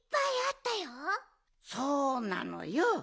そうなのよ。